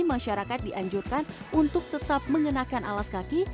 masyarakat dianjurkan untuk tetap mengenakan alas kaki